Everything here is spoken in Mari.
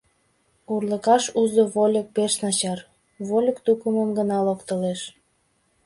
Урлыкаш, узо вольык, пеш начар — вольык тукымым гына локтылеш.